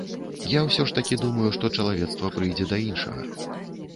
Я ўсё ж такі думаю, што чалавецтва прыйдзе да іншага.